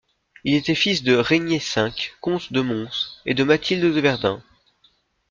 Il était fils de Régnier V, comte de Mons, et de Mathilde de Verdun.